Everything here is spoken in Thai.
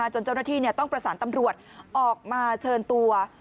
จนเจ้าหน้าที่ต้องประสานตำรวจออกมาเชิญตัว